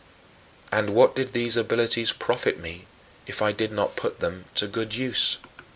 And what did these abilities profit me, if I did not put them to good use?